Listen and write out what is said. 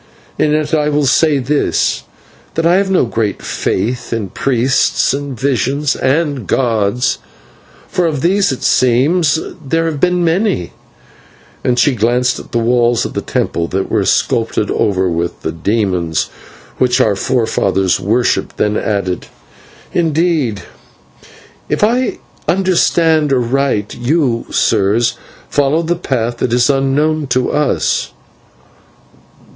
And yet I will say this; that I have no great faith in priests and visions and gods, for of these it seems there have been many" and she glanced at the walls of the temple, that were sculptured over with the demons which our forefathers worshipped, then added "indeed, if I understand aright, you, sire, follow a faith that is unknown to us."